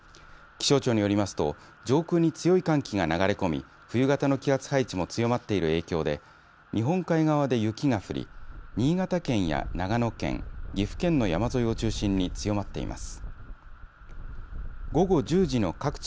気象庁によりますと上空に強い寒気が流れ込み冬型の気圧配置も強まっている影響で日本海側で雪が降り新潟県や長野県岐阜県の山沿いを中心に強まっています。